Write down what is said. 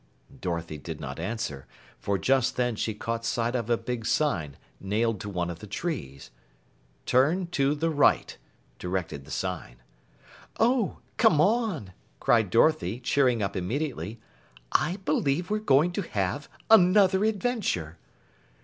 Dorothy did not answer, for just then she caught sight of a big sign nailed to one of the trees. "Turn to the right," directed the sign. "Oh, come on!" cried Dorothy, cheering up immediately. "I believe we're going to have another adventure."